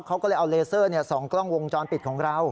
เขาก็เลยเอาเลเซอร์ส่องกล้องวงจรปิดของเรา